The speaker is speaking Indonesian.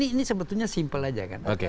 ini sebetulnya simpan